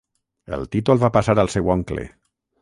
El títol va passar al seu oncle.